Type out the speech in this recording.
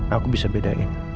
aku bisa bedain